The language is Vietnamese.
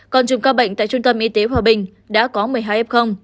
còn dùng ca bệnh tại trung tâm y tế hòa bình đã có một mươi hai f